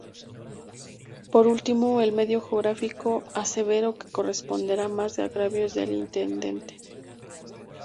Por último el medio gráfico aseveró que responderá más agravios del intendente.